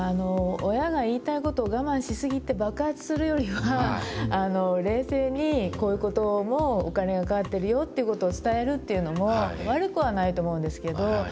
親が言いたいことを我慢しすぎて爆発するよりは冷静にこういうこともお金がかかってるよっていうことを伝えるっていうのも悪くはないと思うんですけど。